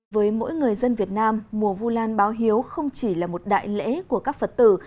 với mỗi người dân việt nam mùa vu lan báo hiếu không chỉ là một đại lễ của các phật tử